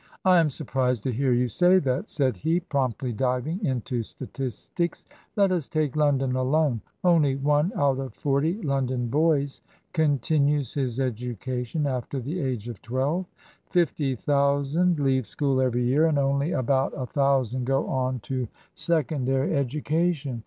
"I am surprised to hear you say that," said he, promptly diving into statistics; "let us take London alone. Only one out of forty London boys continues his education after the age of twelve; fifty thousand leave school every year, and only about a thousand go on to secondary education.